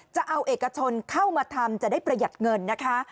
จะเอาเอกชนเข้ามาทำจะได้ประหยัดเงินนะคะ